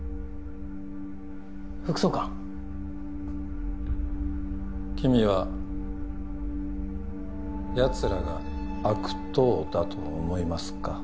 副総監君はヤツらが悪党だと思いますか？